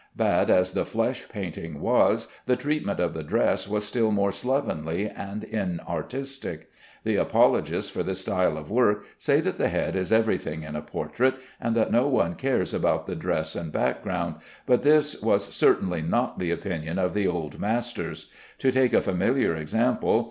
Bad as the flesh painting was, the treatment of the dress was still more slovenly and inartistic. The apologists for this style of work say that the head is everything in a portrait, and that no one cares about the dress and background, but this was certainly not the opinion of the old masters. To take a familiar example.